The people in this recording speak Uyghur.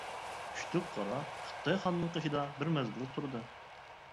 كۈچلۈك قارا خىتاي خاننىڭ قېشىدا بىر مەزگىل تۇردى.